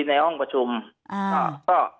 ทีนี้วันอาทิตย์หยุดแล้วก็วันจันทร์ก็หยุด